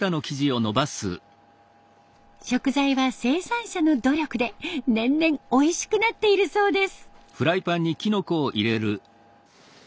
食材は生産者の努力で年々おいしくなっているそうです。